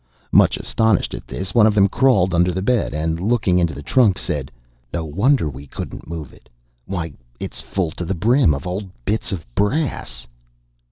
Much astonished at this, one of them crawled under the bed, and looking into the trunk, said: 'No wonder we couldn't move it—why it's full to the brim of old bits of brass!